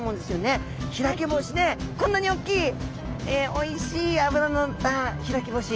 開き干しでこんなに大きいおいしい脂の乗った開き干し。